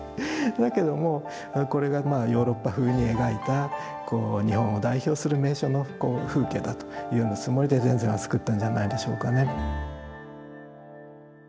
だけどもこれがまあヨーロッパ風に描いた日本を代表する名所の風景だというつもりで田善は作ったんじゃないでしょうかね。